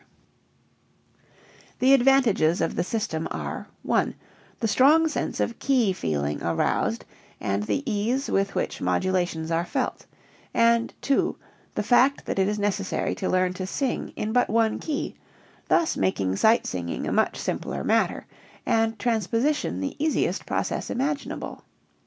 f:m :r |d ::| The advantages of the system are (1) the strong sense of key feeling aroused and the ease with which modulations are felt; and (2) the fact that it is necessary to learn to sing in but one key, thus making sight singing a much simpler matter, and transposition the easiest process imaginable.